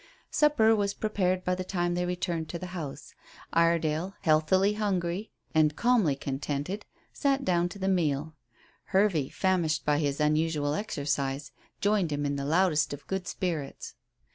Supper was prepared by the time they returned to the house. Iredale, healthily hungry and calmly contented, sat down to the meal; Hervey, famished by his unusual exercise, joined him in the loudest of good spirits.